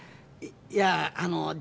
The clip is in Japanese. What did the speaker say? いやあの実